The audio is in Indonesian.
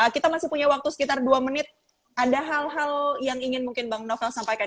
kita masih punya waktu sekitar dua menit ada hal hal yang ingin mungkin bang novel sampaikan